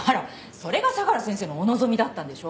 それが相良先生のお望みだったんでしょ？